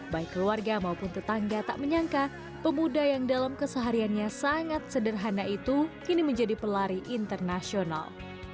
baik keluarga maupun tetangga tak menyangka pemuda yang dalam kesehariannya sangat sederhana itu kini menjadi pelari internasional